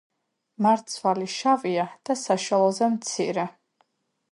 მარცვალი შავია და საშუალოზე მცირე.